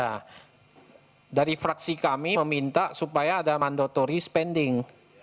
nah dari fraksi kami meminta supaya ada mandatori spending